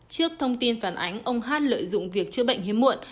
trước thông tin phản ánh ông hát lợi dụng việc chữa bệnh hiếm muộn